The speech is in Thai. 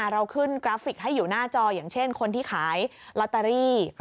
เราขึ้นกราฟิกให้อยู่หน้าจออย่างเช่นคนที่ขายลอตเตอรี่